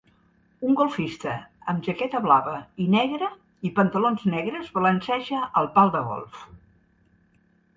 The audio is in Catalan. Un golfista amb jaqueta blava i negra i pantalons negres balanceja el pal de golf.